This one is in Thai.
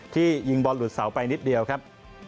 ยิงบอลหลุดเสาไปนิดเดียวครับ